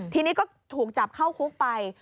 ทีนี้ก็ถูกจับเข้าคุกไป